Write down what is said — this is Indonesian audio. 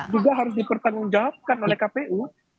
juga harus dipertanggung jawabkan oleh kpu